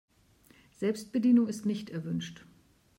Selbstbedienung ist nicht erwünscht.